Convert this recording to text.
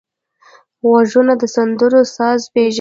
غوږونه د سندرو ساز پېژني